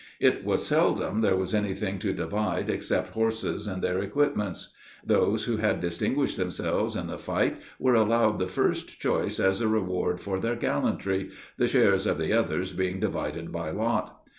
It was seldom there was anything to divide except horses and their equipments. Those who had distinguished themselves in the fight were allowed the first choice as a reward for their gallantry, the shares of the others being divided by lot.